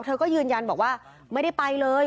เธอก็ยืนยันบอกว่าไม่ได้ไปเลย